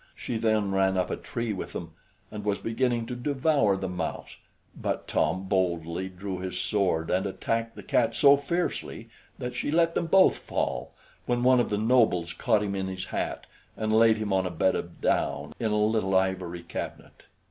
She then ran up a tree with them, and was beginning to devour the mouse; but Tom boldly drew his sword, and attacked the cat so fiercely that she let them both fall, when one of the nobles caught him in his hat, and laid him on a bed of down, in a little ivory cabinet.